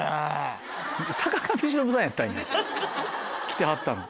来てはったの。